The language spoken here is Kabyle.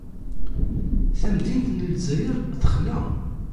Tamdint n Lezzayer texla.